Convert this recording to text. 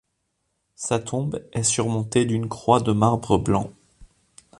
Sa tombe est surmontée d'une croix de marbre blanc.